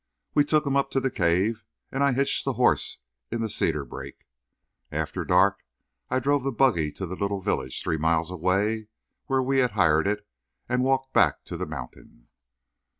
We took him up to the cave and I hitched the horse in the cedar brake. After dark I drove the buggy to the little village, three miles away, where we had hired it, and walked back to the mountain.